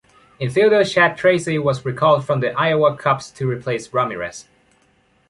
Infielder Chad Tracy was recalled from the Iowa Cubs to replace Ramírez.